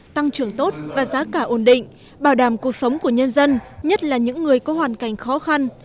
tăng trưởng tốt và giá cả ổn định bảo đảm cuộc sống của nhân dân nhất là những người có hoàn cảnh khó khăn